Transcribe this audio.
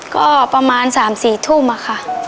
ก็ประมาณ๓๔ทุ่มค่ะ